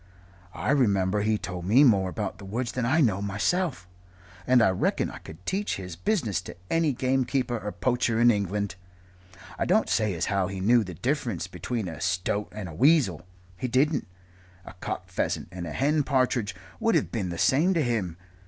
I remember he told me more about the woods than I know myself and I reckon I could teach his business to any gamekeeper or poacher in England. I don't say as how he knew the difference between a stoat and a weasel he didn't. A cock pheasant and a hen partridge would have been the same to him.